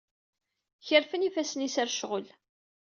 Kerfen ifassen-is ɣer ccɣel.